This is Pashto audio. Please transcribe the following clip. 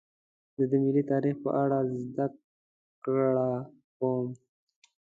زه د ملي تاریخ په اړه زدهکړه کوم.